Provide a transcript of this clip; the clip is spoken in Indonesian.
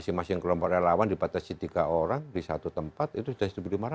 masing masing kelompok relawan dibatasi tiga orang di satu tempat itu sudah satu lima ratus